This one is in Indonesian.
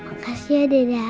makasih ya deda